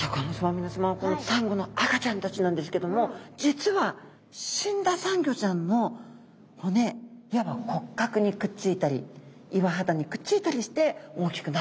皆さまこのサンゴの赤ちゃんたちなんですけども実は死んだサンゴちゃんの骨いわば骨格にくっついたり岩肌にくっついたりして大きくなってくんですね。